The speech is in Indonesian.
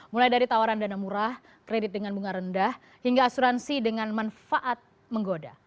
mulai dari tawaran dana murah kredit dengan bunga rendah hingga asuransi dengan manfaat menggoda